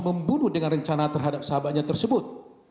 membunuh dengan rencana terhadap sahabatnya tersebut